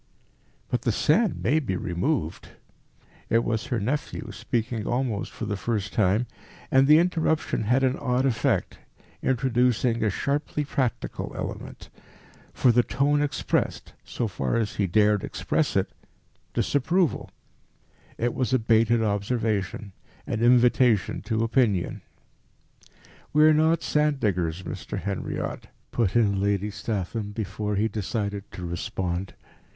"But the sand may be removed." It was her nephew, speaking almost for the first time, and the interruption had an odd effect, introducing a sharply practical element. For the tone expressed, so far as he dared express it, disapproval. It was a baited observation, an invitation to opinion. "We are not sand diggers, Mr. Henriot," put in Lady Statham, before he decided to respond.